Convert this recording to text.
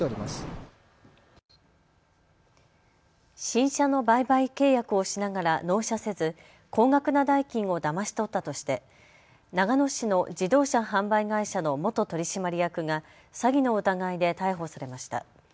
新車の売買契約をしながら納車せず高額な代金をだまし取ったとして長野市の自動車販売会社の元取締役が詐欺の疑いで逮捕されました。